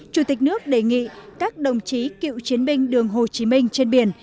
chủ tịch nước đề nghị các đồng chí cựu chiến binh đường hồ chí minh trên biển